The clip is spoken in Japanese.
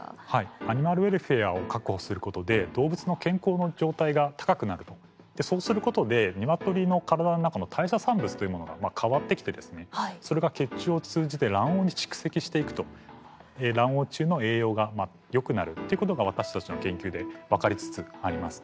アニマルウェルフェアを確保することで動物の健康の状態が高くなるとでそうすることで鶏の体の中の代謝産物というものが変わってきてそれが血中を通じて卵黄に蓄積していくと卵黄中の栄養がよくなるっていうことが私たちの研究で分かりつつあります。